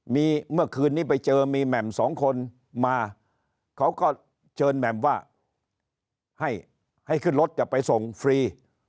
มีเมื่อคืนนี้ไปเจอมีแหม่มสองคนมาเขาก็เชิญแหม่มว่าให้ให้ขึ้นรถจะไปส่งฟรี